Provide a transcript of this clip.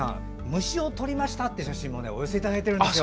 虫を捕りましたって写真もお寄せいただいています。